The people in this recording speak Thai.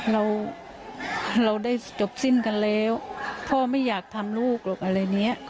เราเราได้จบสิ้นกันแล้วพ่อไม่อยากทำลูกหรอกอะไรเนี้ย